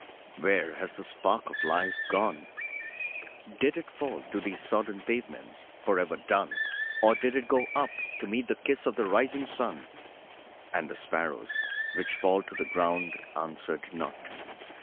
Where has the spark of life gone? Did it fall to these sodden pavements, for ever done, or did it go on up, to meet the kiss of the rising sun? And the sparrows, which fall to the ground, answered not.